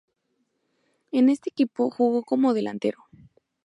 En este equipo jugó como delantero.